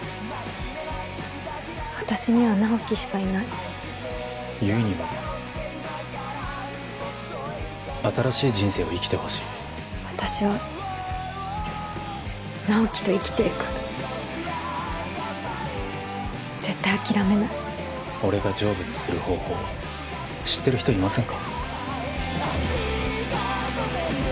私には直木しかいない悠依には新しい人生を生きてほしい私は直木と生きていく絶対諦めない俺が成仏する方法知ってる人いませんか？